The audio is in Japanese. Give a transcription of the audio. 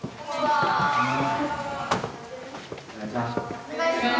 お願いします。